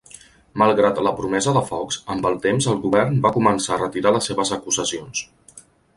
Malgrat la promesa de Fox, amb el temps el govern va començar a retirar les seves acusacions.